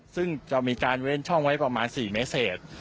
ซึ่งจะมีการเว้นช่องไว้ประมาณ๔เมตรเศษ